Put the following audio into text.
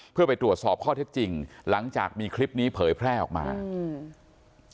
เพื่อไปตรวจสอบข้อเท็จจริงหลังจากมีคลิปนี้เผยแพร่ออกมาอืม